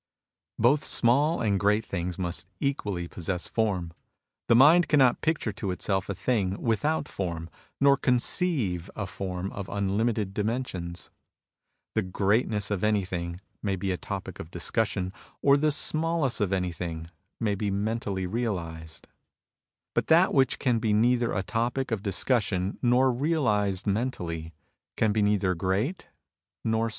Both small and great things must equally possess form. The mind cannot picture to itself a thing without form, nor conceive a form of unlimited dimensions. The greatness of anything may be a topic of discussion, or the smallness of anything may be mentally realised. But that 100 MUSINGS OF A CHINESE MYSTIC which can be neither a topic of discussion nor realised mentally, can be neither great nor smaU.